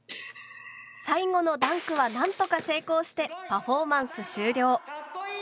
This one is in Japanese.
最後のダンクは何とか成功してパフォーマンス終了。